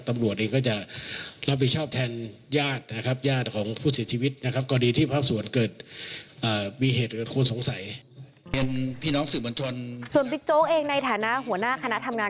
ส่วนพิกโจเองในฐานะหัวหน้าคณะทำงาน